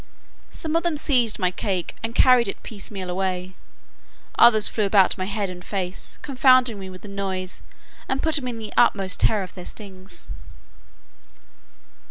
Some of them seized my cake, and carried it piecemeal away; others flew about my head and face, confounding me with the noise, and putting me in the utmost terror of their stings.